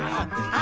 あ！